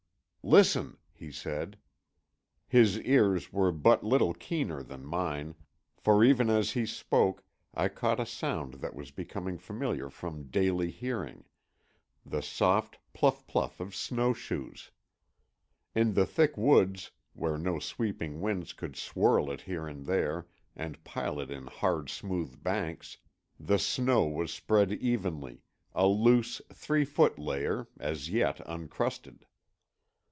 "Listen," he said. His ears were but little keener than mine, for even as he spoke I caught a sound that was becoming familiar from daily hearing: the soft pluff, pluff of snowshoes. In the thick woods, where no sweeping winds could swirl it here and there and pile it in hard smooth banks, the snow was spread evenly, a loose, three foot layer, as yet uncrusted.